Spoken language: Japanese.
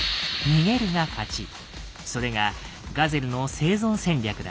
それがガゼルの生存戦略だ。